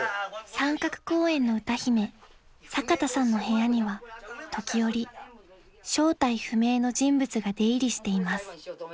［三角公園の歌姫坂田さんの部屋には時折正体不明の人物が出入りしています］